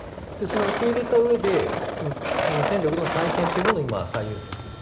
受け入れたうえで戦力の再建というものを今、最優先する。